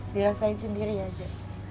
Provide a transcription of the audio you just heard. dirasain sendiri aja